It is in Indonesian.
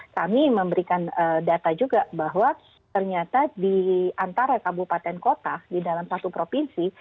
kami memberikan data juga bahwa ternyata di antara kabupaten kota di dalam satu provinsi